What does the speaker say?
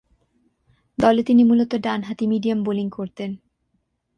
দলে তিনি মূলতঃ ডানহাতি মিডিয়াম বোলিং করতেন।